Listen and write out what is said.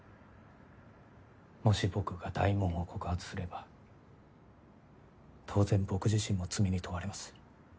もし僕が大門を告発すれば当然僕自身も罪に問われます。